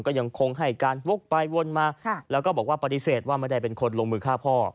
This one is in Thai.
ก็ยังคงให้การวกไปวนมาแล้วก็บอกว่าปฏิเสธว่าไม่ได้เป็นคนลงมือฆ่าพ่อ